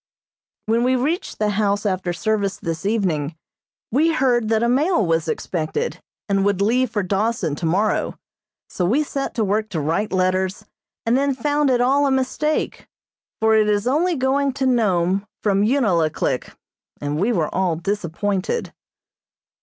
When we reached the house after service this evening we heard that a mail was expected, and would leave for Dawson tomorrow, so we set to work to write letters, and then found it all a mistake, for it is only going to Nome from Unalaklik, and we were all disappointed.